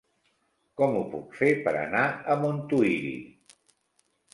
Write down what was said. Com ho puc fer per anar a Montuïri?